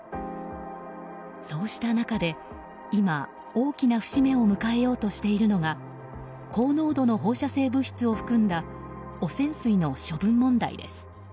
そうした中で、今、大きな節目を迎えようとしているのが高濃度の放射性物質を含んだ汚染水の処分問題です。